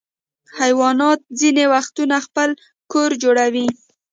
حیوانات ځینې وختونه خپل کور جوړوي.